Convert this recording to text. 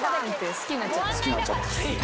好きになっちゃった。